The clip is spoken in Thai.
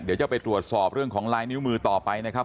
เดี๋ยวจะไปตรวจสอบเรื่องของลายนิ้วมือต่อไปนะครับ